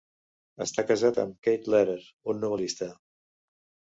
Està casat amb Kate Lehrer, un novel·lista.